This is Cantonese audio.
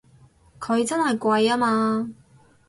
佢真係貴吖嘛！